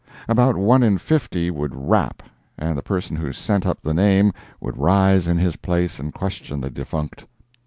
About one in fifty would rap, and the person who sent up the name would rise in his place and question the defunct.